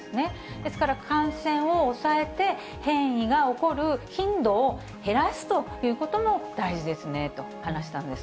ですから、感染を抑えて、変異が起こる頻度を減らすということも大事ですねと話したんです。